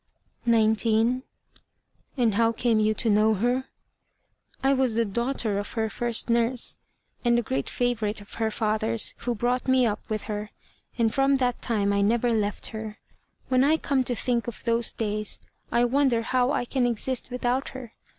"Nineteen." "And how came you to know her?" "I was the daughter of her first nurse, and a great favorite of her father's, who brought me up with her, and from that time I never left her. When I come to think of those days I wonder how I can exist without her.